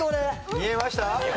見えました？